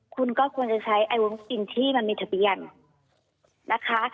คุณก็ควรจะใช้ไอวัคซีนที่มันมีทะเบียนนะคะ